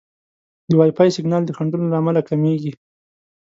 د وائی فای سیګنال د خنډونو له امله کمېږي.